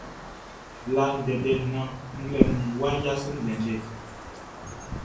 La ndɛndɛ naan nglɛmunʼn wʼa djaso ndɛndɛ.